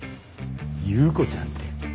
祐子ちゃんって。